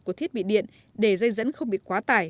của thiết bị điện để dây dẫn không bị quá tải